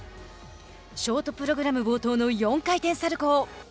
ショートプログラム冒頭の４回転サルコー。